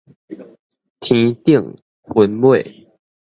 天頂雲尾